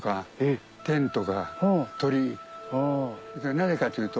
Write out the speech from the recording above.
なぜかというと。